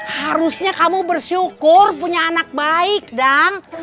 harusnya kamu bersyukur punya anak baik dong